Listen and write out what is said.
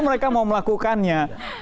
mereka mau melakukannya